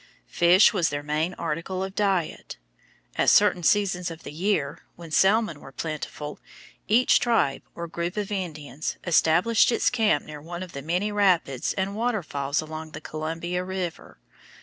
Fish was their main article of diet. At certain seasons of the year, when salmon were plentiful, each tribe or group of Indians established its camp near one of the many rapids and waterfalls along the Columbia River.